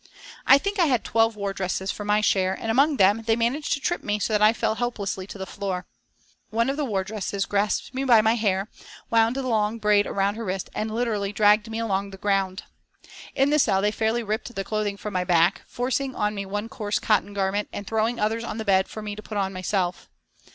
I think I had twelve wardresses for my share, and among them they managed to trip me so that I fell helplessly to the floor. One of the wardresses grasped me by my hair, wound the long braid around her wrist and literally dragged me along the ground. In the cell they fairly ripped the clothing from my back, forcing on me one coarse cotton garment and throwing others on the bed for me to put on myself.